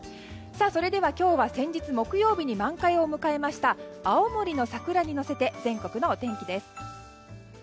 それでは今日は先日、木曜日に満開を迎えました青森の桜に乗せて全国のお天気です。